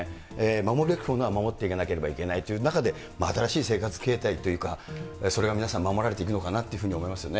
守るべきことは守っていかなければいけないという中で、新しい生活形態というか、それが皆さん、守られていくのかなっていうふうに思いますよね。